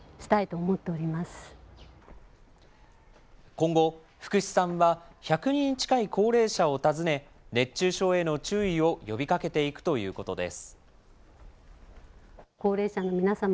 今後、福司さんは１００人近い高齢者を訪ね、熱中症への注意を呼びかけていくということです。